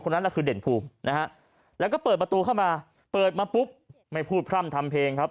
นั้นแหละคือเด่นภูมินะฮะแล้วก็เปิดประตูเข้ามาเปิดมาปุ๊บไม่พูดพร่ำทำเพลงครับ